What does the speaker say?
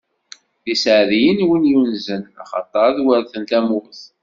D iseɛdiyen, wid yunzen, axaṭer ad weṛten tamurt!